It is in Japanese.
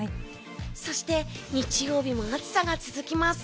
そして日曜日も暑さが続きます。